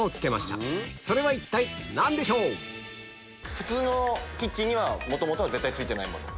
普通のキッチンには元々は絶対ついてないもの？